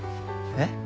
えっ？